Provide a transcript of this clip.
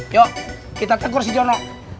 yuk kita tegur si jono